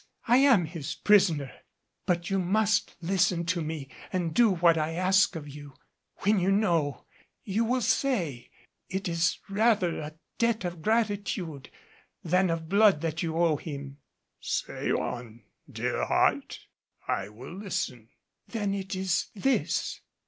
I am his prisoner. But you must listen to me and do what I ask of you. When you know, you will say, it is rather a debt of gratitude than of blood that you owe him." "Say on, dear heart, I will listen." "Then it is this."